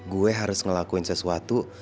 gue harus ngelakuin sesuatu